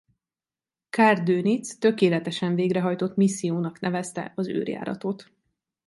Karl Dönitz tökéletesen végrehajtott missziónak nevezte az őrjáratot.